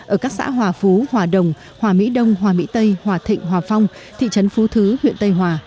ở các xã hòa phú hòa đồng hòa mỹ đông hòa mỹ tây hòa thịnh hòa phong thị trấn phú thứ huyện tây hòa